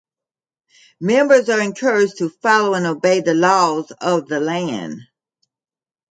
Members are encouraged to follow and obey the laws of the land.